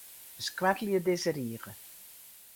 Beskoattelje dizze rige.